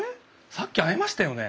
さっき会いましたよね？